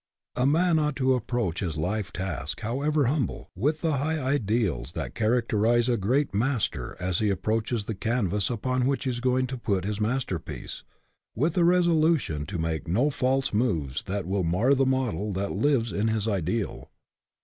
A man ought to approach his life task, however humble, with the high ideals that characterize a great master as he approaches the canvas upon which he is going to put his masterpiece with a resolution to make no false moves that will mar the model that lives in his ideal.